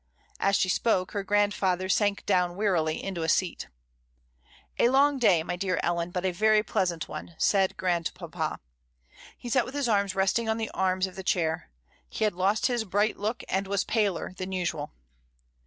As she spoke her grandfather sank down wearily into a seat "A long day, my dear Ellen, but a very pleasant one," said grandpapa. He sat with his arms resting on the arms of the chair. He had lost his bright look, and was paler than usual.